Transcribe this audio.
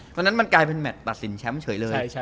ตอนนั้นมันกลายเป็นแมทตัดสินแชมป์เฉยเลย